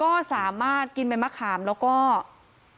เป็นพระรูปนี้เหมือนเคี้ยวเหมือนกำลังทำปากขมิบท่องกระถาอะไรสักอย่าง